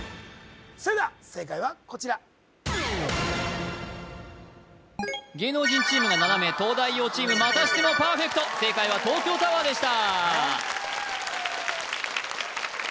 それでは正解はこちら芸能人チームが７名東大王チームまたしてもパーフェクト正解は東京タワーでした